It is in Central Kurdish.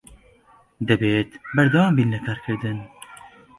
دەبێت بەردەوام بین لە کارکردن.